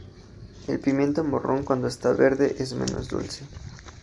El pimiento morrón cuando está verde es menos dulce.